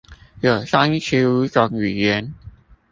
有三十五種語言